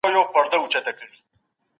ده اسلامي علوم لوستي وو